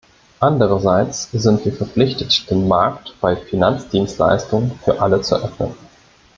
Andererseits sind wir verpflichtet, den Markt bei Finanzdienstleistungen für alle zu öffnen.